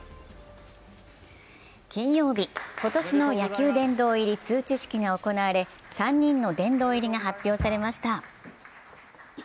金曜日、今年の野球殿堂入り通知式が行われ３人の殿堂入りが発表されました。